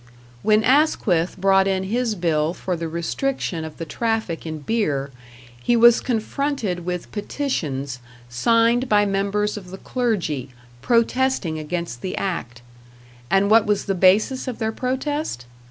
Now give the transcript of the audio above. When Asquith brought in his bill for the restriction of the traffic in beer, he was confronted with petitions signed by members of the clergy, protesting against the act. And what was the basis of their protest?